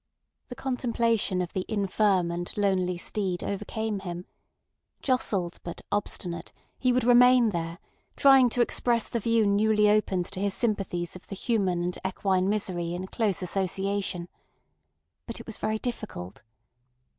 The contemplation of the infirm and lonely steed overcame him. Jostled, but obstinate, he would remain there, trying to express the view newly opened to his sympathies of the human and equine misery in close association. But it was very difficult.